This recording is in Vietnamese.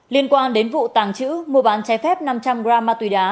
liên quan đến vụ tàng trữ mua bán chai phép năm trăm linh g ma tùy đá